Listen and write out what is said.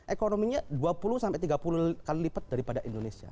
ekonominya dua puluh sampai tiga puluh kali lipat daripada indonesia